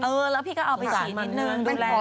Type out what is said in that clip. แล้วพี่ก็เอาไปฉีดนิดนึงดูแล